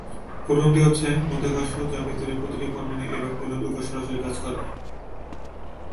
প্রথমটি হচ্ছে মাধ্যাকর্ষণ, যা ভেতরের প্রতিটি পরমাণু এবং অণুর উপর সরাসরি কাজ করে।